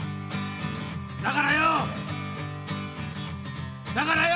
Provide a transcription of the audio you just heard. だからよだからよ